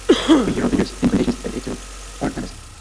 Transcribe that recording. We hear of vineyards and plantations dedicated to Artemis.